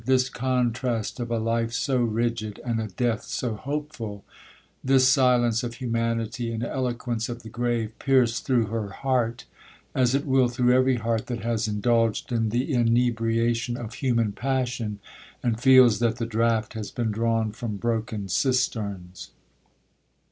This contrast of a life so rigid, and a death so hopeful,—this silence of humanity, and eloquence of the grave,—pierced through her heart, as it will through every heart that has indulged in the inebriation of human passion, and feels that the draught has been drawn from broken cisterns.